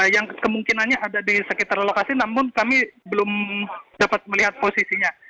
yang kemungkinannya ada di sekitar lokasi namun kami belum dapat melihat posisinya